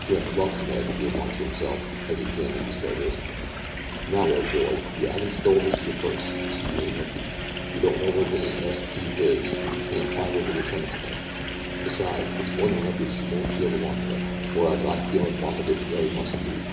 "You're in luck, Ned," he remarked to himself, as he examined these treasures. "Now, old boy you 'aven't stole this 'ere purse, so you ain't a thief; you don't know w'ere Mrs S.T. lives, so you can't find 'er to return it to 'er. Besides, it's more than likely she won't feel the want of it w'ereas I feels in want of it wery much indeed.